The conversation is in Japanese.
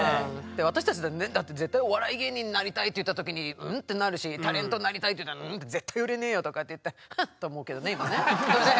私たちだってねだって「絶対お笑い芸人になりたい」って言った時に「ん？」ってなるし「タレントになりたい」って言ったら「ん？絶対売れねよ」とかって言ってフンッて思うけどね今ね。